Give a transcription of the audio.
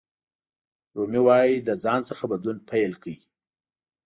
رومي وایي له ځان څخه بدلون پیل کړئ.